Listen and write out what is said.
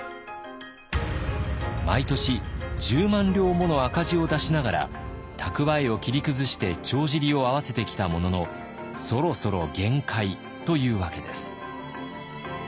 毎年１０万両もの赤字を出しながら蓄えを切り崩して帳尻を合わせてきたもののそろそろ限界というわけです。